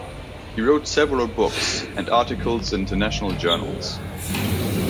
He wrote several books and articles in international journals.